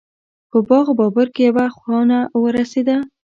په باغ بابر کې یوه خونه ورسېده.